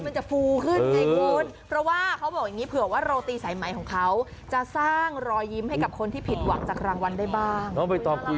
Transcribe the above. มันจะฟูขึ้นไงคุณเพราะว่าเขาบอกอย่างนี้เผื่อว่าโรตีสายไหมของเขาจะสร้างรอยยิ้มให้กับคนที่ผิดหวังจากรางวัลได้บ้าง